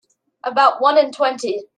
About one in twenty.